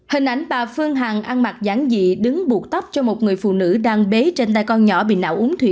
hình ảnh bà phương hằng ăn mặt giảng dị đứng buộc tóc cho một người phụ nữ đang bế trên tay con nhỏ bị não uống thủy